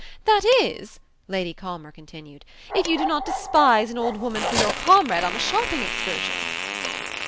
"That is," Lady Culmer continued, "if you do not despise an old woman for your comrade on a shopping excursion."